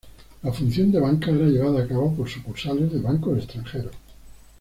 La función de banca era llevada a cabo por sucursales de bancos extranjeros.